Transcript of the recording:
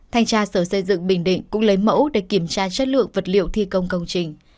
thanh tra sở xây dựng bình định cũng lấy mẫu để kiểm tra chất lượng vật liệu thi công công trình